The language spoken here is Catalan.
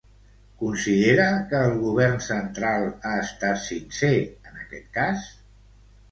Considera que el govern central ha estat sincer en aquest cas?